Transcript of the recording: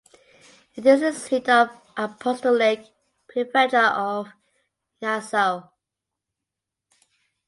It is the seat of Apostolic Prefecture of Yangzhou.